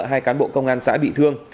hai cán bộ công an xã bị thương